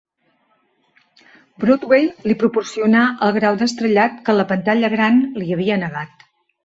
Broadway li proporcionà el grau d'estrellat que la pantalla gran li havia negat.